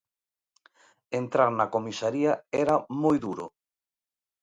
Entrar na comisaría era moi duro.